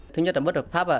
thứ nhất là bất hợp pháp ạ